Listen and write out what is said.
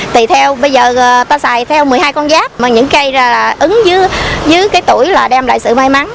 tùy theo bây giờ ta xài theo một mươi hai con giáp mà những cây ứng dưới cái tuổi là đem lại sự may mắn